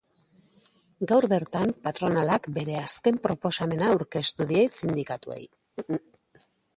Gaur bertan, patronalak bere azken proposamena aurkeztu die sindikatuei.